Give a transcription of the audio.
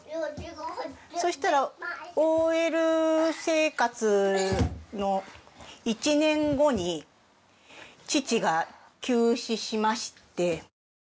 そうしたらＯＬ生活の１年後に父が急死しまして。